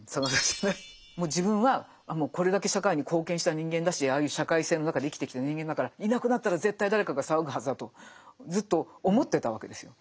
もう自分はこれだけ社会に貢献した人間だしああいう社会性の中で生きてきた人間だからいなくなったら絶対誰かが騒ぐはずだとずっと思ってたわけですよ。